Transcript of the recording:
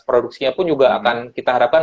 produksinya pun juga akan kita harapkan